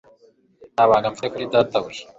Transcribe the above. Nta banga mfite kuri data buja